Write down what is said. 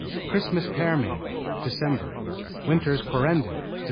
Christmas Pearmain Dec. Winter Quarrenden Dec.